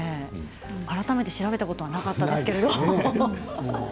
改めて調べたことなかったですけれど。